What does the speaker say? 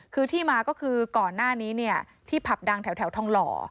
คือที่มาก็คือก่อนหน้านี้ที่ผับดังแถวทองหล่อ